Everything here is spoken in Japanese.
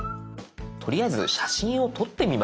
とりあえず写真を撮ってみましょう。